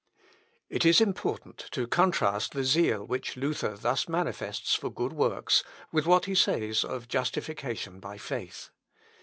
It is important to contrast the zeal which Luther thus manifests for good works with what he says of justification by faith.